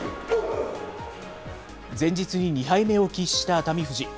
前日に２敗目を喫した熱海富士。